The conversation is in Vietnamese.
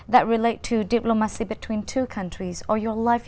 hợp lý giữa chúng tôi